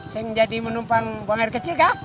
seng jadi menumpang buang air kecil kak